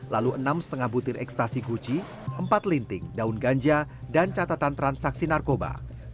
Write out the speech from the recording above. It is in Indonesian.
lalu enam lima butir ekstasi guci empat linting daun ganja dan catatan transaksi narkoba